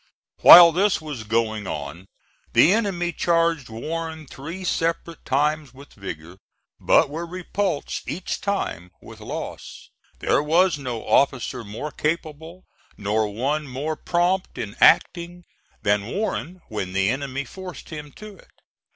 While this was going on, the enemy charged Warren three separate times with vigor, but were repulsed each time with loss. There was no officer more capable, nor one more prompt in acting, than Warren when the enemy forced him to it.